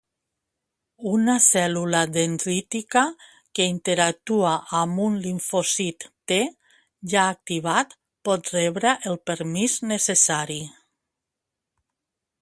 Una cèl·lula dendrítica que interactua amb un limfòcit T ja activat pot rebre el permís necessari.